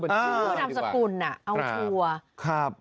ชื่อนามสกุลเอาชัวร์